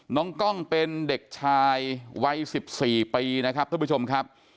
น้องกล้องเป็นเด็กชายวัย๑๔ปีนะครับท่านผู้ชมครับ